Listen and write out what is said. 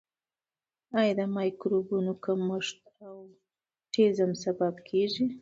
آیا د مایکروبونو کمښت د اوټیزم سبب کیږي؟